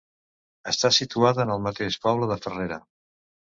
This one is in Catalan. Està situada en el mateix poble de Farrera.